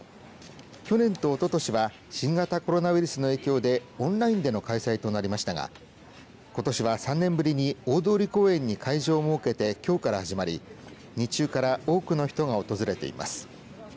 去年とおととしは新型コロナウイルスの影響でオンラインでの開催となりましたがことしは、３年ぶりに大通公園に会場を設けてきょうから始まり日中から多くの人が訪れています。